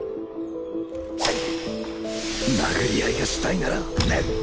殴り合いがしたいなら